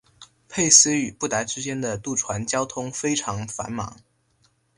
佩斯与布达之间的渡船交通非常繁忙。